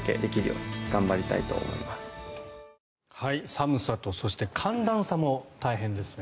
寒さとそして寒暖差も大変ですね。